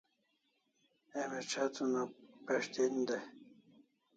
Emi ch'etr una pes' den dai